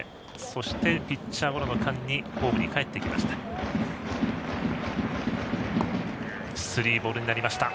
そしてピッチャーゴロの間にホームにかえってきました。